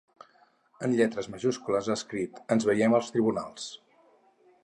En lletres majúscules ha escrit: Ens veiem als tribunals!